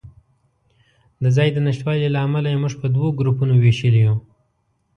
د ځای د نشتوالي له امله یې موږ په دوو ګروپونو وېشلي یو.